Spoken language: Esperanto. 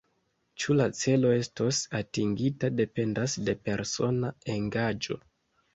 Ĉu la celo estos atingita, dependas de persona engaĝo.